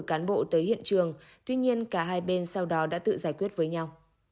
cán bộ tới hiện trường tuy nhiên cả hai bên sau đó đã tự giải quyết với nhau